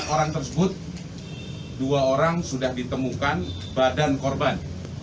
empat orang tersebut dua orang sudah ditemukan badan korban